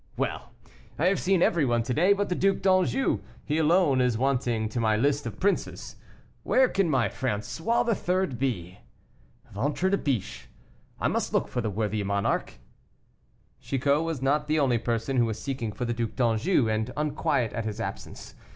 Well! I have seen everyone to day but the Duc d'Anjou; he alone is wanting to my list of princes. Where can my François III. be? Ventre de biche, I must look for the worthy monarch." Chicot was not the only person who was seeking for the Duc d'Anjou, and unquiet at his absence.